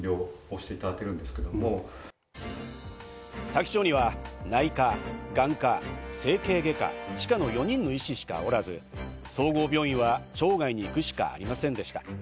多気町には内科、眼科、整形外科、歯科の４人の医師しかおらず、総合病院は町外に行くしかありませんでした。